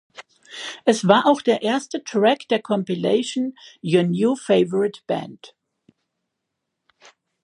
Es war auch der erste Track der Compilation "Your New Favourite Band".